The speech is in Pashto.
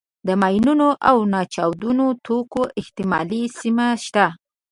د ماینونو او ناچاودو توکو احتمالي سیمې شته.